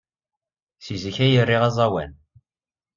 Seg zik ay riɣ aẓawan.